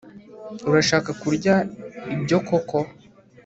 Urashaka kurya ibyo koko